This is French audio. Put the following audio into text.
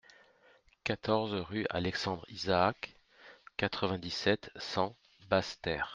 quatorze rue Alexandre Isaac, quatre-vingt-dix-sept, cent, Basse-Terre